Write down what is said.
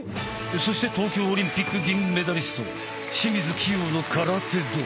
そして東京オリンピック銀メダリスト清水希容の空手道。